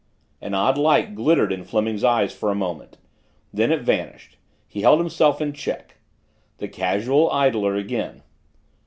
An odd light glittered in Fleming's eyes for a moment. Then it vanished he held himself in check the casual idler again.